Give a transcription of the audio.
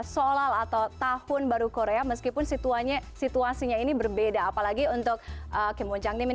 sholat atau tahun baru korea meskipun situannya situasinya ini berbeda apalagi untuk kemungkinan